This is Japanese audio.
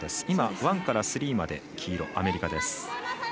今、ワンからスリーまで黄色アメリカ。